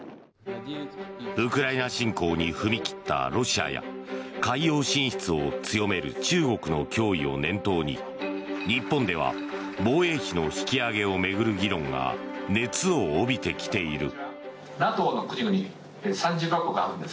ウクライナ侵攻に踏み切ったロシアや海洋進出を強める中国の脅威を念頭に、日本では防衛費の引き上げを巡る議論が熱を帯びてきている。